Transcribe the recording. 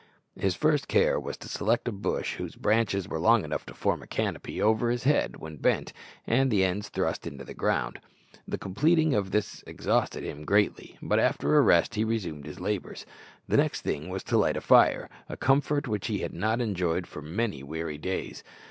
His first care was to select a bush whose branches were long enough to form a canopy over his head when bent, and the ends thrust into the ground. The completing of this exhausted him greatly, but after a rest he resumed his labours. The next thing was to light a fire a comfort which he had not enjoyed for many weary days.